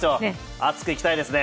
熱くいきたいですね。